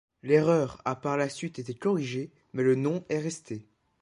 L'erreur a par la suite été corrigée mais le nom est resté.